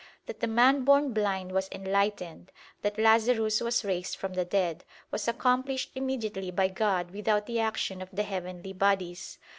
That the man born blind was enlightened, that Lazarus was raised from the dead, was accomplished immediately by God without the action of the heavenly bodies.